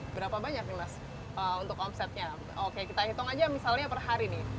berapa banyak nih mas untuk omsetnya oke kita hitung aja misalnya per hari nih